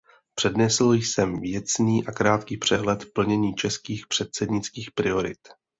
Přednesl jsem věcný a krátký přehled plnění českých předsednických priorit.